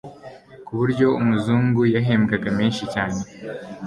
ku buryo umuzungu yahembwaga menshi cyane